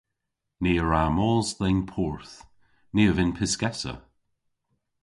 Ni a wra mos dhe'n porth. Ni a vynn pyskessa.